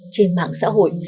trên mạng xã hội